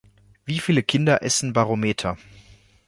Wie viele Kinder essen Barometer?